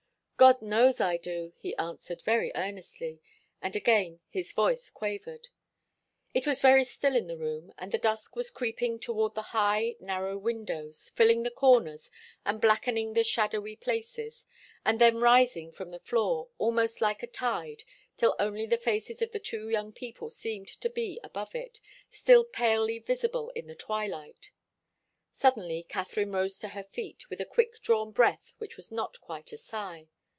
"God knows I do," he answered, very earnestly, and again his voice quavered. It was very still in the room, and the dusk was creeping toward the high, narrow windows, filling the corners, and blackening the shadowy places, and then rising from the floor, almost like a tide, till only the faces of the two young people seemed to be above it, still palely visible in the twilight. Suddenly Katharine rose to her feet, with a quick drawn breath which was not quite a sigh.